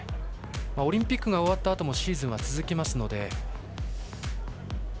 オリンピックが終わったあともシーズンは続きますので。